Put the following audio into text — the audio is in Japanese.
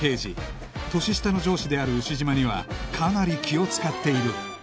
年下の上司である牛島にはかなり気を使っている